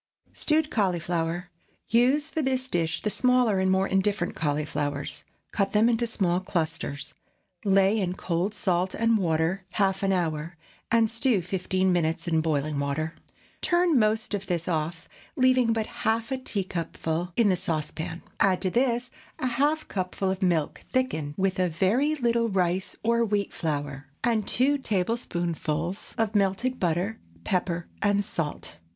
STEWED CAULIFLOWER. Use for this dish the smaller and more indifferent cauliflowers. Cut them into small clusters; lay in cold salt and water half an hour, and stew fifteen minutes in boiling water. Turn most of this off, leaving but half a teacupful in the saucepan. Add to this a half cupful of milk thickened with a very little rice or wheat flour, and two tablespoonfuls of melted butter, pepper, and salt.